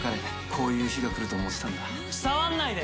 こういう日が来ると思っていたんだ。